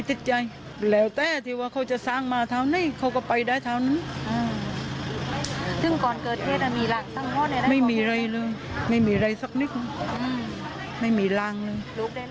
อืมไม่มีรังเลย